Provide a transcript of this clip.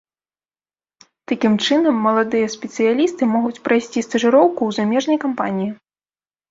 Такім чынам, маладыя спецыялісты могуць прайсці стажыроўку ў замежнай кампаніі.